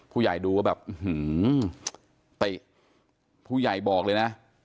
ผู้ใหญ่ดูว่าแบบอื้อหือแต่ผู้ใหญ่บอกเลยนะ